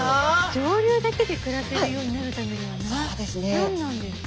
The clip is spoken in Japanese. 上流だけで暮らせるようになるためには何なんですかね？